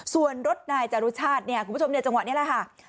ส่วนรถนายจรุชาติเนี่ยคุณผู้ชมจังหวะนี้แหละค่ะ